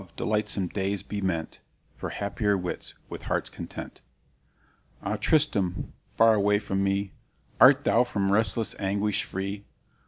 delightsome days be meant For happier wights, with hearts content. "Ah, Tristram' far away from me, Art thou from restless anguish free?